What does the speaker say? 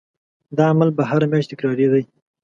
دا عمل به هره میاشت تکرارېدی.